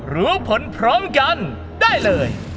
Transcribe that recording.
รู้ผลพร้อมกันได้เลย